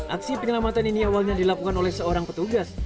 aksi penyelamatan ini awalnya dilakukan oleh seorang petugas